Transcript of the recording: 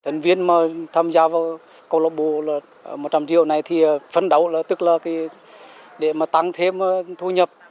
tên viên mà tham gia vào cộng lộ bộ một trăm linh triệu này thì phân đấu là tức là để mà tăng thêm thu nhập